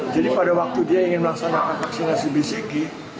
pada waktu dia ingin melaksanakan vaksinasi bcg